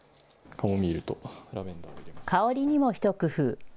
香りにも一工夫。